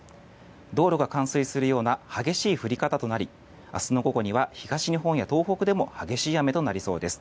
道路が冠水するような激しい降り方となり明日の午後には東日本や東北でも激しい雨となりそうです。